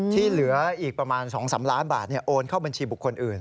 ที่เหลืออีกประมาณ๒๓ล้านบาทโอนเข้าบัญชีบุคคลอื่น